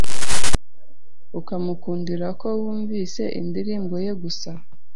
ukamukundira ko wumvise indirimbo ye gusa